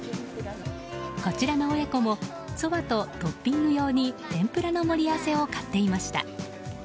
こちらの親子もそばとトッピング用に天ぷらの盛り合わせを買っていました。